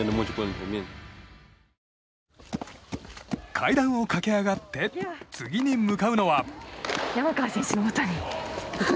階段を駆け上がって次に向かうのは。